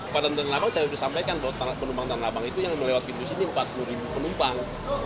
pada tanah abang saya sudah sampaikan bahwa penumpang tanah abang itu yang melewati bus ini empat puluh ribu penumpang